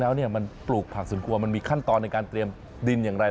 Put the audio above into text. แล้วเนี่ยมันปลูกผักส่วนครัวมันมีขั้นตอนในการเตรียมดินอย่างไร